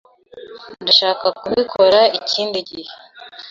Ndashaka kubikora ikindi gihe.